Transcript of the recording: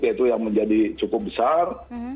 yaitu yang menjadi cukup besar